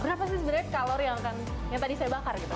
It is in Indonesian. berapa sih sebenarnya kalori yang tadi saya bakar gitu